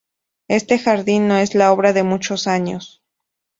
Este jardín no es la obra de muchos años.